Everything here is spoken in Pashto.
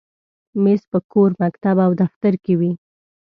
مېز په کور، مکتب، او دفتر کې وي.